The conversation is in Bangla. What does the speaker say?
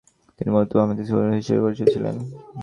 তিনি মূলতঃ বামহাতি সুইং বোলার হিসেবে পরিচিত ছিলেন।